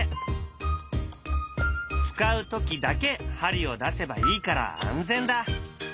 使うときだけ針を出せばいいから安全だ。